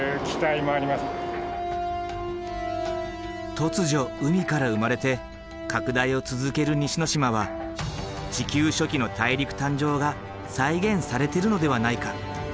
突如海から生まれて拡大を続ける西之島は地球初期の大陸誕生が再現されてるのではないか。